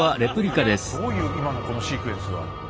どういう今のこのシークエンスは。